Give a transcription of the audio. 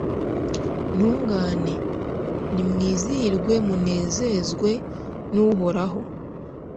ntungane, nimwizihirwe munezezwe n'uhoraho